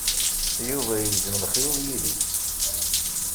Yuba yegzem lexyuḍ yid-i.